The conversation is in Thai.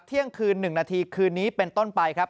เที่ยงคืน๑นาทีคืนนี้เป็นต้นไปครับ